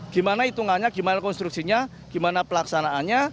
gimana hitungannya gimana konstruksinya gimana pelaksanaannya